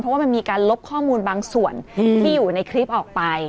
เพราะว่ามันมีการลบข้อมูลบางส่วนที่อยู่ในคลิปออกไป